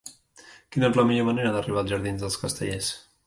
Quina és la millor manera d'arribar als jardins dels Castellers?